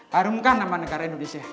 harumkan nama negara indonesia